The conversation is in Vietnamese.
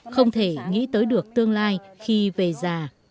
không thể nghĩ tới được tương lai khi về già